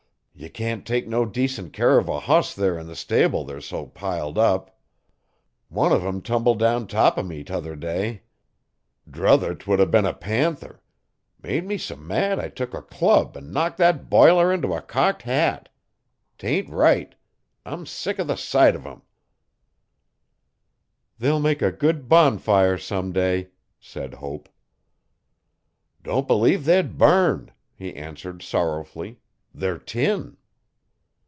Ye can't take no decent care uv a hoss there 'n the stable' they're so piled up. One uv 'em tumbled down top o' me t'other day. 'Druther 'twould a been a panther. Made me s'mad I took a club an' knocked that biler into a cocked hat. 'Tain't right! I'm sick o' the sight uv 'em. 'They'll make a good bonfire someday,' said Hope. 'Don't believe they'd burn,' he answered sorrowfully, 'they're tin.